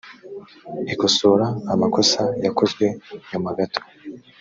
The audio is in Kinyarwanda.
ikosora amakosa yakozwe nyuma gato